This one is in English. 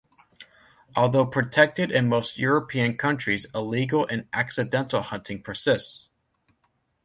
Although protected in most European countries illegal and accidental hunting persists.